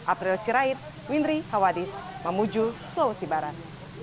april sirait windri hawadis mamuju sulawesi barat